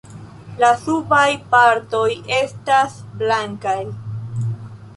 La subaj partoj estas blankaj.